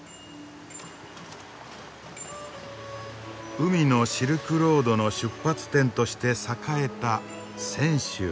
「海のシルクロード」の出発点として栄えた泉州。